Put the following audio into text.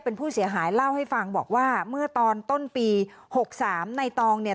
เป็นผู้เสียหายเล่าให้ฟังบอกว่าเมื่อตอนต้นปี๖๓ในตองเนี่ย